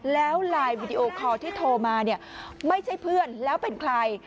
แล้วไลน์วีดีโอคอร์ที่โทรมาเนี่ยไม่ใช่เพื่อนแล้วเป็นใคร